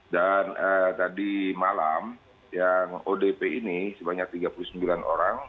dan tadi malam yang odp ini sebanyak tiga puluh sembilan orang